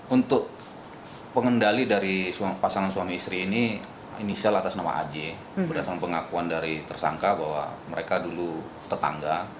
untuk pengendali dari pasangan suami istri ini inisial atas nama aj berdasarkan pengakuan dari tersangka bahwa mereka dulu tetangga